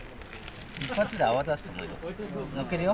一発で泡立つと思うよ。